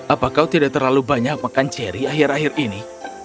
apa kau tidak terlalu banyak makan cherry akhir akhir ini